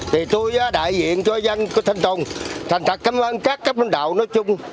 thì tôi đại diện cho dân của thanh tùng thành thật cảm ơn các các bánh đạo nói chung